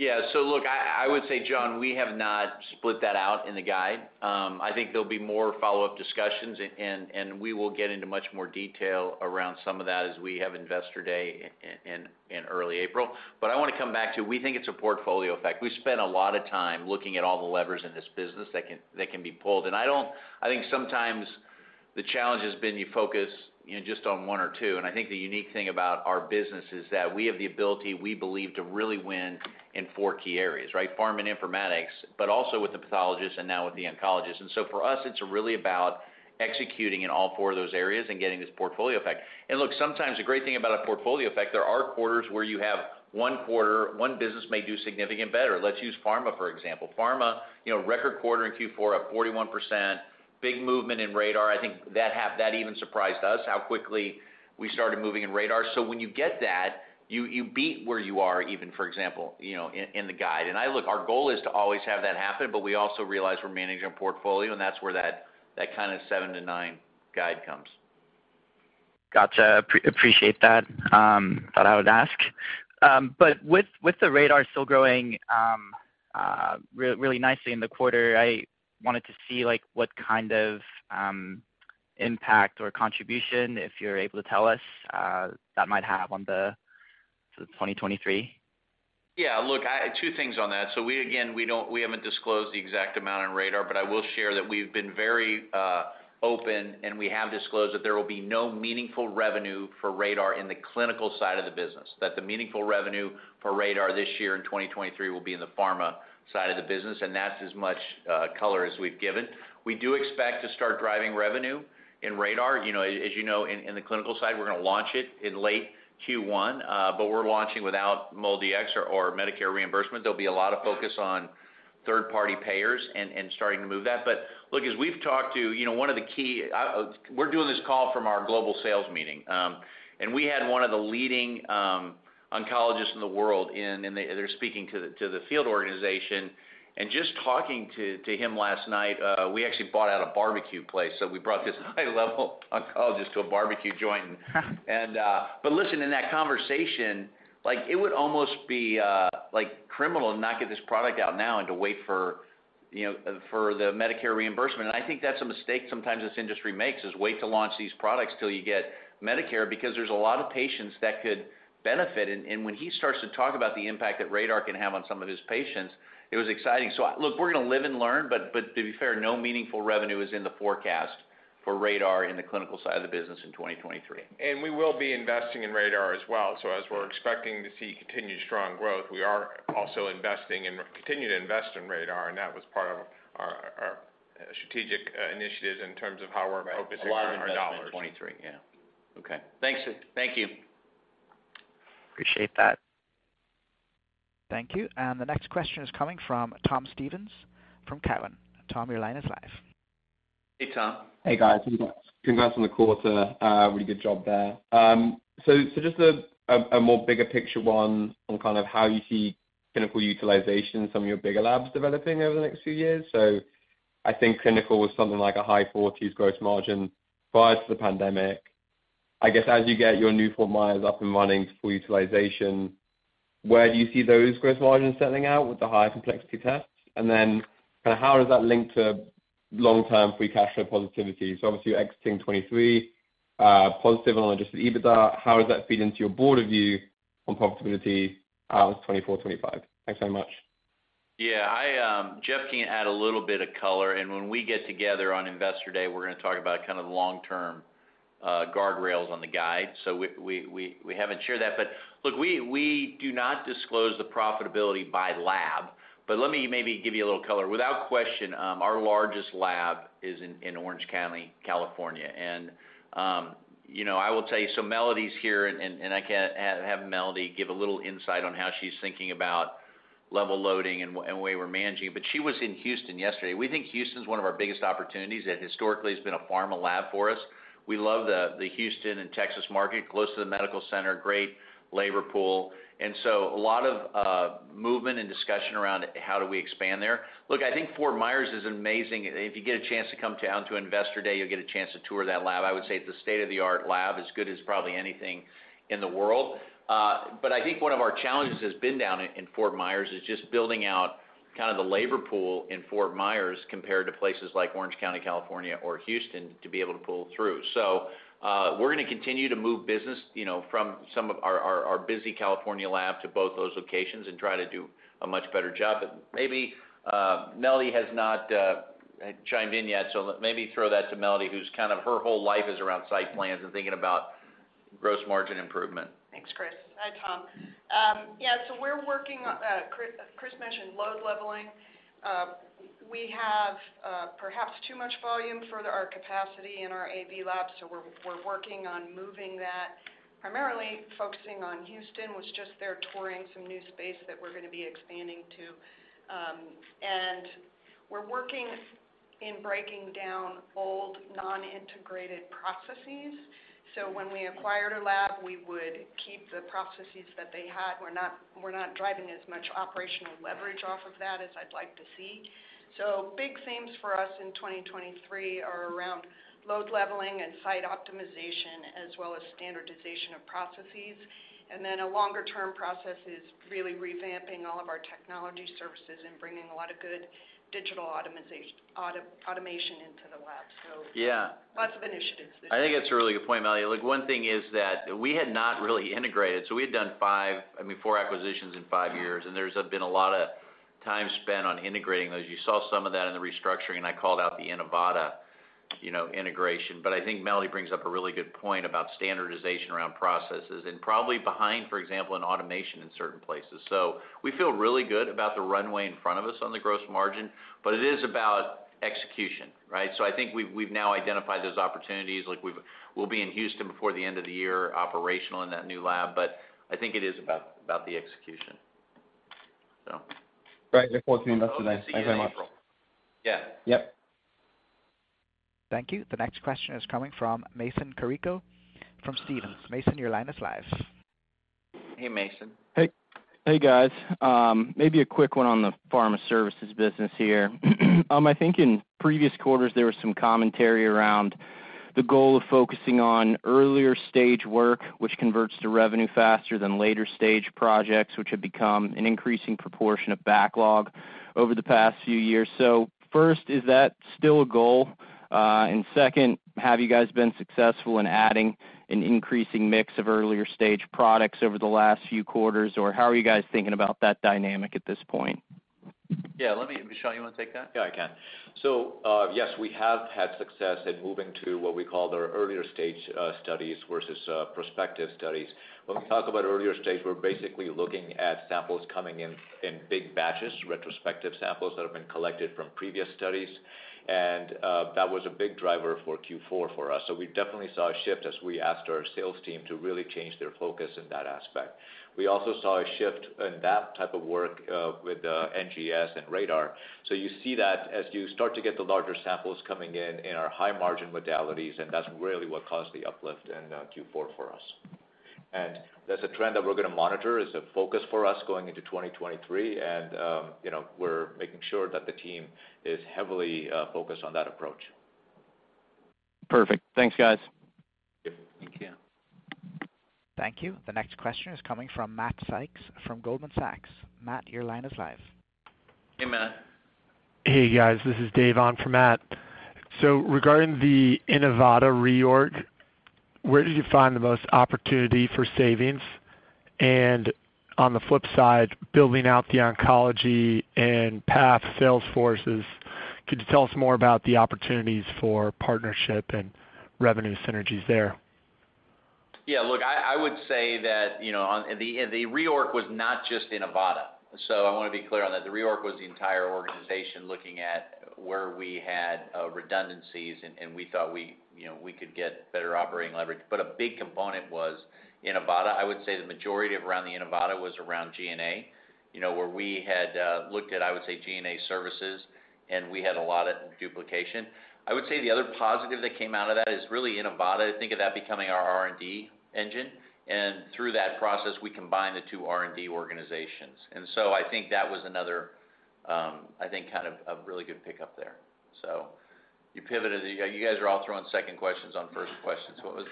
Yeah. Look, I would say, John, we have not split that out in the guide. I think there'll be more follow-up discussions and we will get into much more detail around some of that as we have Investor Day in early April. I wanna come back to we think it's a portfolio effect. We spent a lot of time looking at all the levers in this business that can be pulled. I think sometimes the challenge has been you focus, you know, just on one or two. I think the unique thing about our business is that we have the ability, we believe, to really win in four key areas, right? Pharma and Informatics, but also with the pathologists and now with the oncologists. For us, it's really about executing in all four of those areas and getting this portfolio effect. Look, sometimes the great thing about a portfolio effect, there are quarters where you have one quarter, one business may do significant better. Let's use Pharma, for example. Pharma, you know, record quarter in Q4 up 41%, big movement in RaDaR. I think that even surprised us, how quickly we started moving in RaDaR. When you get that, you beat where you are, even for example, you know, in the guide. Look, our goal is to always have that happen, but we also realize we're managing a portfolio, and that's where that kind of 7%-9% guide comes. Gotcha. Appreciate that. Thought I would ask. With the RaDaR still growing, really nicely in the quarter, I wanted to see, like, what kind of impact or contribution, if you're able to tell us, that might have on the sort of 2023. Look, I...two things on that. We, again, we haven't disclosed the exact amount on RaDaR, but I will share that we've been very open, and we have disclosed that there will be no meaningful revenue for RaDaR in the clinical side of the business, that the meaningful revenue for RaDaR this year in 2023 will be in the pharma side of the business, and that's as much color as we've given. We do expect to start driving revenue in RaDaR. You know, as you know, in the clinical side, we're gonna launch it in late Q1. We're launching without MolDx or Medicare reimbursement. There'll be a lot of focus on third-party payers and starting to move that. Look, as we've talked to, you know, one of the key...I, we're doing this call from our global sales meeting. We had one of the leading oncologists in the world in, and they're speaking to the field organization. Just talking to him last night, we actually bought out a barbecue place, so we brought this high-level oncologist to a barbecue joint. Listen, in that conversation, like, it would almost be, like criminal to not get this product out now and to wait for, you know, for the Medicare reimbursement. I think that's a mistake sometimes this industry makes, is wait to launch these products till you get Medicare because there's a lot of patients that could benefit. When he starts to talk about the impact that RaDaR can have on some of his patients, it was exciting. Look, we're gonna live and learn, but to be fair, no meaningful revenue is in the forecast for RaDaR in the clinical side of the business in 2023. We will be investing in RaDaR as well. As we're expecting to see continued strong growth, we are also investing and continue to invest in RaDaR, and that was part of our strategic initiatives in terms of how we're focusing our dollars. A lot of investment in 2023. Yeah. Okay. Thanks. Thank you. Appreciate that. Thank you. The next question is coming from Tom Stevens from Cowen. Tom, your line is live. Hey, Tom. Hey, guys. Congrats on the quarter. Really good job there. Just a more bigger picture one on kind of how you see clinical utilization in some of your bigger labs developing over the next few years. I think clinical was something like a high 40s gross margin prior to the pandemic. I guess as you get your new Fort Myers up and running to full utilization, where do you see those gross margins settling out with the higher complexity tests? Kinda how does that link to long-term free cash flow positivity? Obviously you're exiting 2023 positive on adjusted EBITDA. How does that feed into your broader view on profitability, 2024, 2025? Thanks so much. Yeah. I, Jeff can add a little bit of color. When we get together on Investor Day, we're gonna talk about kind of the long-term guardrails on the guide. We haven't shared that. Look, we do not disclose the profitability by lab, but let me maybe give you a little color. Without question, our largest lab is in Orange County, California. You know, I will tell you, Melody's here and I can have Melody give a little insight on how she's thinking about level loading and the way we're managing. She was in Houston yesterday. We think Houston is one of our biggest opportunities, and historically has been a pharma lab for us. We love the Houston and Texas market, close to the medical center, great labor pool. A lot of movement and discussion around how do we expand there. Look, I think Fort Myers is amazing. If you get a chance to come down to Investor Day, you'll get a chance to tour that lab. I would say it's a state-of-the-art lab, as good as probably anything in the world. I think one of our challenges has been down in Fort Myers, is just building out kind of the labor pool in Fort Myers compared to places like Orange County, California or Houston to be able to pull through. We're gonna continue to move business, you know, from some of our busy California lab to both those locations and try to do a much better job. Maybe Melody has not chimed in yet, so let maybe throw that to Melody, who's kind of her whole life is around site plans and thinking about gross margin improvement. Thanks, Chris. Hi, Tom. yeah, we're working on Chris mentioned load leveling. We have perhaps too much volume for our capacity in our AV labs, so we're working on moving that, primarily focusing on Houston. Was just there touring some new space that we're gonna be expanding to. We're working in breaking down old non-integrated processes. When we acquired a lab, we would keep the processes that they had. We're not driving as much operational leverage off of that as I'd like to see. Big themes for us in 2023 are around load leveling and site optimization, as well as standardization of processes. Then a longer term process is really revamping all of our technology services and bringing a lot of good digital auto-automation into the lab. Yeah Lots of initiatives this year. I think that's a really good point, Melody. Look, one thing is that we had not really integrated. We had done five, I mean, four acquisitions in five years, and there's been a lot of time spent on integrating those. You saw some of that in the restructuring. I called out the Inivata, you know, integration. I think Melody brings up a really good point about standardization around processes and probably behind, for example, in automation in certain places. We feel really good about the runway in front of us on the gross margin, but it is about execution, right? I think we've now identified those opportunities. Like, we'll be in Houston before the end of the year, operational in that new lab, but I think it is about the execution. Great reporting, that's nice. Thanks very much. We'll see you in April. Yeah. Yep. Thank you. The next question is coming from Mason Carrico from Stephens. Mason, your line is live. Hey, Mason. Hey. Hey, guys. Maybe a quick one on the pharma services business here. I think in previous quarters, there was some commentary around the goal of focusing on earlier stage work, which converts to revenue faster than later stage projects, which have become an increasing proportion of backlog over the past few years. First, is that still a goal? Second, have you guys been successful in adding an increasing mix of earlier stage products over the last few quarters? How are you guys thinking about that dynamic at this point? Yeah, Vishal, you wanna take that? Yeah, I can. Yes, we have had success in moving to what we call the earlier stage studies versus prospective studies. When we talk about earlier stage, we're basically looking at samples coming in in big batches, retrospective samples that have been collected from previous studies. That was a big driver for Q4 for us. We definitely saw a shift as we asked our sales team to really change their focus in that aspect. We also saw a shift in that type of work with NGS and RaDaR. You see that as you start to get the larger samples coming in in our high margin modalities, and that's really what caused the uplift in Q4 for us. That's a trend that we're gonna monitor. It's a focus for us going into 2023. You know, we're making sure that the team is heavily focused on that approach. Perfect. Thanks, guys. Yep. Thank you. Thank you. The next question is coming from Matt Sykes from Goldman Sachs. Matt, your line is live. Hey, Matt. Hey, guys. This is Dave on for Matt. Regarding the Inivata reorg, where did you find the most opportunity for savings? On the flip side, building out the oncology and path sales forces, could you tell us more about the opportunities for partnership and revenue synergies there? Yeah, look, I would say that, you know, the reorg was not just Inivata. I wanna be clear on that. The reorg was the entire organization looking at where we had redundancies and we thought we, you know, we could get better operating leverage. A big component was Inivata. I would say the majority of around the Inivata was around G&A, you know, where we had looked at, I would say, G&A services, and we had a lot of duplication. I would say the other positive that came out of that is really Inivata, think of that becoming our R&D engine, and through that process, we combine the two R&D organizations. I think that was another, kind of a really good pickup there. You pivoted. You guys are all throwing second questions on first questions. What was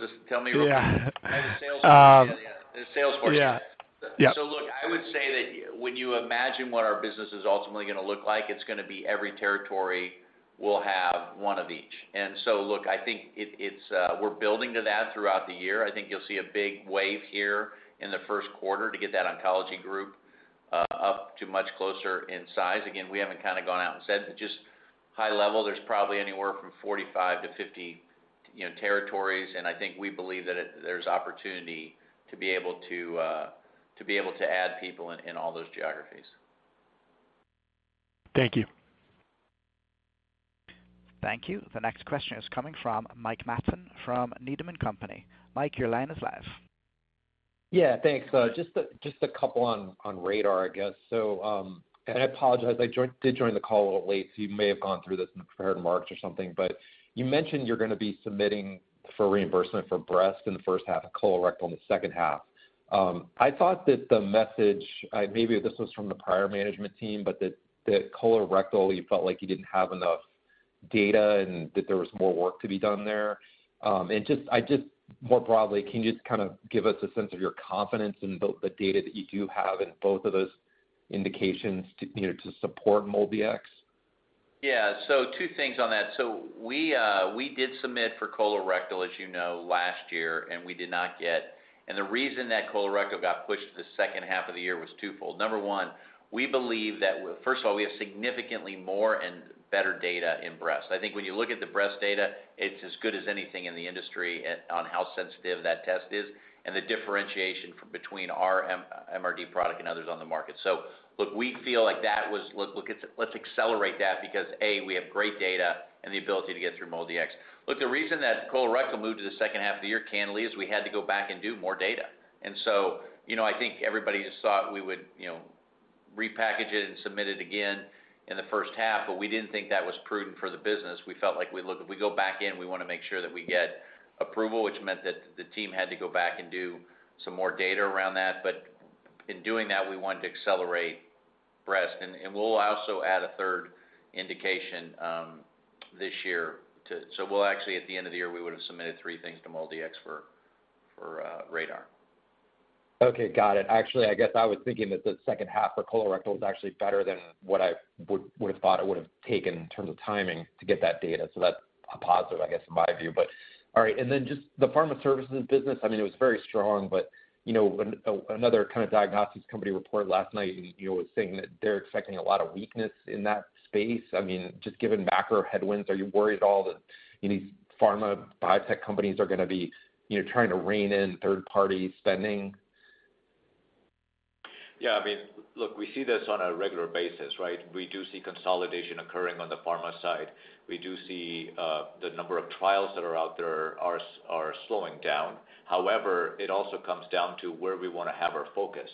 this? Tell me- Yeah. The sales force. Yeah, yeah. The sales force. Yeah. Yeah. Look, I would say that when you imagine what our business is ultimately gonna look like, it's gonna be every territory will have one of each. Look, I think it's, we're building to that throughout the year. I think you'll see a big wave here in the first quarter to get that oncology group, up to much closer in size. Again, we haven't kinda gone out and said, just high level, there's probably anywhere from 45-50, you know, territories. I think we believe that there's opportunity to be able to be able to add people in all those geographies. Thank you. Thank you. The next question is coming from Mike Matson from Needham & Company. Mike, your line is live. Yeah, thanks. Just a couple on RaDaR, I guess. I apologize, I did join the call a little late, so you may have gone through this in the prepared remarks or something. You mentioned you're gonna be submitting for reimbursement for breast in the first half of colorectal in the second half. I thought that the message, maybe this was from the prior management team, but that colorectal, you felt like you didn't have enough data and that there was more work to be done there. Just more broadly, can you just kinda give us a sense of your confidence in both the data that you do have in both of those indications to, you know, to support MolDx? Yeah. Two things on that. We did submit for colorectal, as you know, last year, and we did not get. The reason that colorectal got pushed to the second half of the year was twofold. Number one, we believe that first of all, we have significantly more and better data in breast. I think when you look at the breast data, it's as good as anything in the industry at, on how sensitive that test is and the differentiation between our MRD product and others on the market. Look, we feel like that was, let's accelerate that because, a, we have great data and the ability to get through MolDx. Look, the reason that colorectal moved to the second half of the year, candidly, is we had to go back and do more data. You know, I think everybody just thought we would, you know, repackage it and submit it again in the first half, but we didn't think that was prudent for the business. We felt like, look, if we go back in, we wanna make sure that we get approval, which meant that the team had to go back and do some more data around that. In doing that, we wanted to accelerate breast. We'll also add a third indication this year. We'll actually, at the end of the year, we would've submitted three things to MolDx for RaDaR. Okay, got it. Actually, I guess I was thinking that the second half for colorectal was actually better than what I would have thought it would have taken in terms of timing to get that data. That's a positive, I guess, in my view. All right. Just the pharma services business, I mean, it was very strong, but, you know, when another kind of diagnostics company report last night, you know, was saying that they're expecting a lot of weakness in that space. I mean, just given macro headwinds, are you worried at all that, any pharma biotech companies are gonna be, you know, trying to rein in third-party spending? Yeah. I mean, look, we see this on a regular basis, right? We do see consolidation occurring on the pharma side. We do see, the number of trials that are slowing down. However, it also comes down to where we wanna have our focus.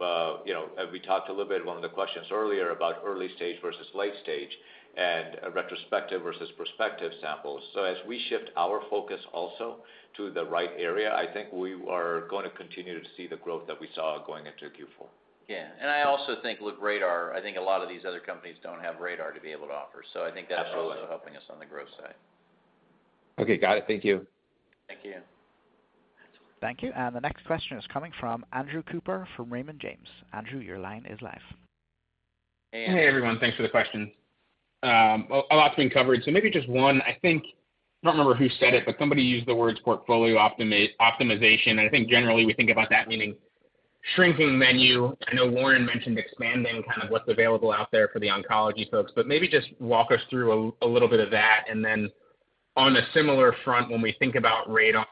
You know, we talked a little bit, one of the questions earlier, about early stage versus late stage and retrospective versus prospective samples. As we shift our focus also to the right area, I think we are gonna continue to see the growth that we saw going into Q4. Yeah. I also think, look, RaDaR, I think a lot of these other companies don't have RaDaR to be able to offer. Absolutely. I think it's also helping us on the growth side. Okay, got it. Thank you. Thank you. Thank you. The next question is coming from Andrew Cooper from Raymond James. Andrew, your line is live. Hey, everyone. Thanks for the question. A lot's been covered, so maybe just one. I think, I don't remember who said it, but somebody used the words portfolio optimization. I think generally we think about that meaning shrinking menu. I know Warren mentioned expanding kind of what's available out there for the oncology folks, but maybe just walk us through a little bit of that. Then on a similar front, when we think about RaDaR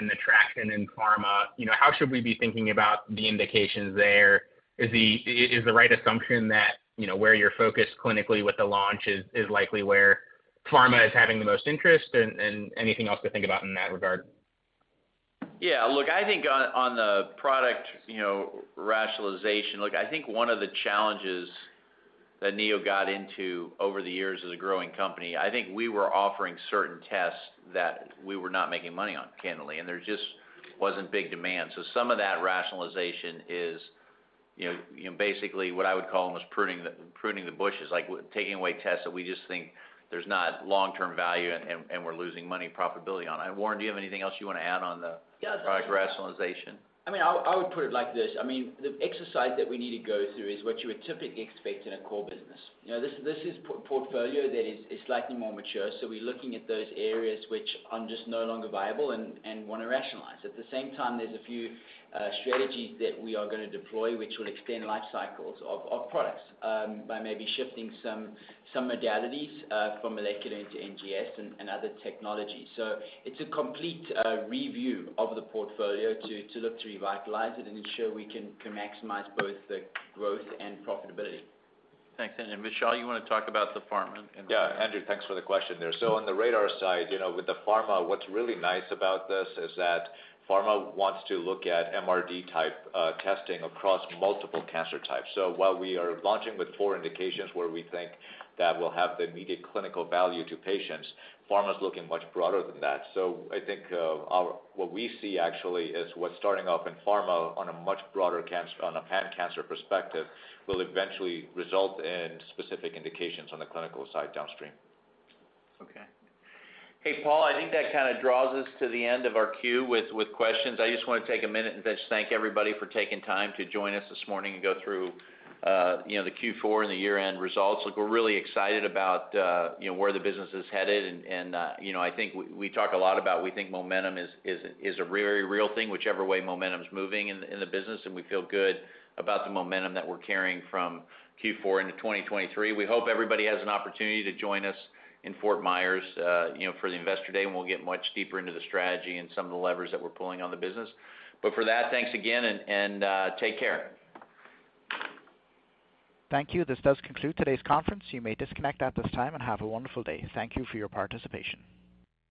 and the traction in pharma, you know, how should we be thinking about the indications there? Is the right assumption that, you know, where you're focused clinically with the launch is likely where pharma is having the most interest? Anything else to think about in that regard? Yeah. Look, I think on the product, you know, rationalization, look, I think one of the challenges that Neo got into over the years as a growing company, I think we were offering certain tests that we were not making money on, candidly, and there just wasn't big demand. Some of that rationalization is, you know, basically what I would call almost pruning the bushes, like taking away tests that we just think there's not long-term value and we're losing money and profitability on. Warren, do you have anything else you wanna add on the... Yeah. product rationalization? I mean, I'll, I would put it like this. I mean, the exercise that we need to go through is what you would typically expect in a core business. You know, this is portfolio that is slightly more mature, so we're looking at those areas which are just no longer viable and wanna rationalize. At the same time, there's a few strategies that we are gonna deploy which will extend life cycles of products by maybe shifting some modalities from molecular into NGS and other technologies. It's a complete review of the portfolio to look to revitalize it and ensure we can maximize both the growth and profitability. Thanks. Then, Vishal, you wanna talk about the pharma environment? Yeah. Andrew, thanks for the question there. On the RaDaR side, you know, with the pharma, what's really nice about this is that pharma wants to look at MRD-type testing across multiple cancer types. While we are launching with four indications where we think that we'll have the immediate clinical value to patients, pharma's looking much broader than that. I think, what we see actually is what's starting off in pharma on a much broader cancer, on a pan-cancer perspective, will eventually result in specific indications on the clinical side downstream. Okay. Hey, Paul, I think that kinda draws us to the end of our queue with questions. I just wanna take a minute and just thank everybody for taking time to join us this morning and go through, you know, the Q4 and the year-end results. Look, we're really excited about, you know, where the business is headed. I think we talk a lot about we think momentum is a very real thing, whichever way momentum's moving in the business, and we feel good about the momentum that we're carrying from Q4 into 2023. We hope everybody has an opportunity to join us in Fort Myers, you know, for the Investor Day, and we'll get much deeper into the strategy and some of the levers that we're pulling on the business. For that, thanks again, and take care. Thank you. This does conclude today's conference. You may disconnect at this time, and have a wonderful day. Thank you for your participation.